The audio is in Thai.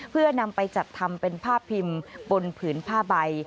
เพื่อนำไปจัดทำเป็นผ้าพิมพ์บนผืนผ้าใบ